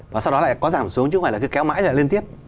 và sau đó lại có giảm xuống chứ không phải là cứ kéo mãi rồi lại lên tiếp